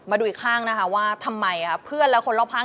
มาดูอีกข้างนะคะว่าทำไมค่ะเพื่อนและคนรอบข้าง